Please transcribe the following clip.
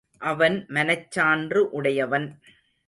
அவன் மனச்சான்று உடையவன்.